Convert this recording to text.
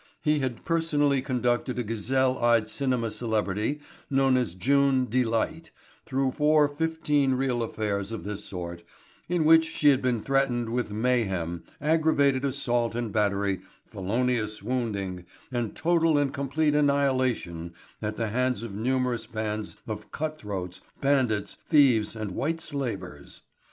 He had personally conducted a gazelle eyed cinema celebrity known as June Delight through four fifteen reel affairs of this sort in which she had been threatened with mayhem, aggravated assault and battery, felonious wounding, and total and complete annihilation at the hands of numerous bands of cut throats, bandits, thieves and white slavers.